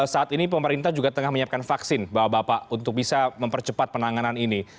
saat ini pemerintah juga tengah menyiapkan vaksin bapak bapak untuk bisa mempercepat penanganan ini